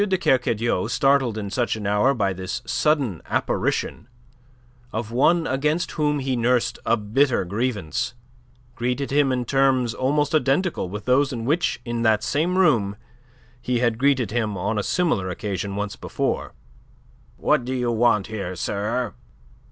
de Kercadiou, startled in such an hour by this sudden apparition, of one against whom he nursed a bitter grievance, greeted him in terms almost identical with those in which in that same room he had greeted him on a similar occasion once before. "What do you want here, sir?"